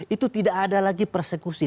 itu tidak ada lagi persekusi